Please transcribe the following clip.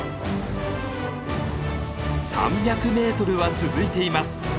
３００メートルは続いています。